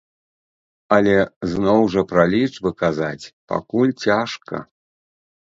Але, зноў жа, пра лічбы казаць пакуль цяжка.